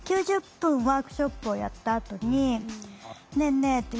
９０分ワークショップをやったあとに「ねえねえ